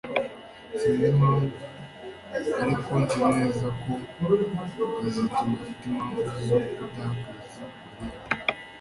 Sinzi impamvu ariko nzi neza ko kazitunga afite impamvu zo kudaha akazi Mariya